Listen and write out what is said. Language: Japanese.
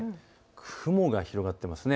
雲が広がっていますね。